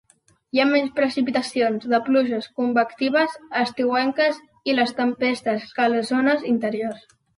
Hi ha menys precipitacions de pluges convectives estiuenques i les tempestes que a les zones interiors.